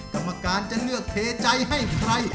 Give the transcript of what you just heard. กรรมการจะเลือกเทใจให้ใคร